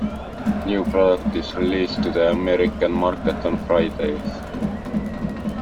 New product is released to the American market on Fridays.